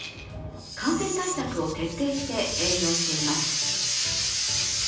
感染対策を徹底して営業しています。